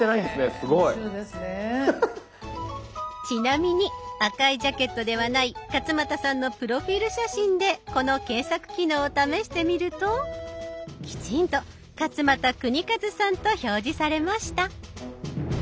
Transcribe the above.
ちなみに赤いジャケットではない勝俣さんのプロフィール写真でこの検索機能を試してみるときちんと「勝俣州和」さんと表示されました。